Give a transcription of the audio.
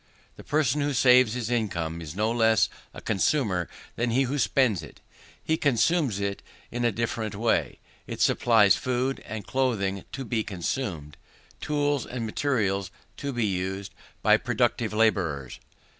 The person who saves his income is no less a consumer than he who spends it: he consumes it in a different way; it supplies food and clothing to be consumed, tools and materials to be used, by productive labourers.